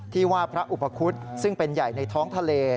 ที่ว่าพระอุปคุฎซึ่งเป็นใหญ่ในท้องทะเล